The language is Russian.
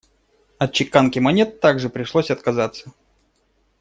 От чеканки монет также пришлось отказаться.